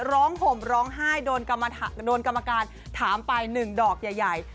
ห่มร้องไห้โดนกรรมการถามไป๑ดอกใหญ่